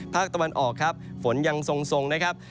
ภาคตะวันออกครับฝนยังทรงนะครับ